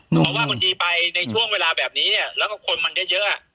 เพราะว่าบางทีไปในช่วงเวลาแบบนี้เนี่ยแล้วก็คนมันเยอะ